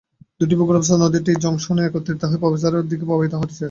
দুটি ভূগর্ভস্থ নদী টি-জংশনে একত্রিত হয়ে প্রবেশদ্বারের দিকে প্রবাহিত হয়েছে।